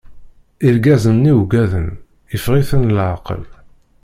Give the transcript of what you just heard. Irgazen-nni ugaden, iffeɣ- iten leɛqel.